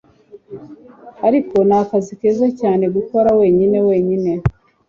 Ako ni akazi keza cyane gukora wenyine wenyine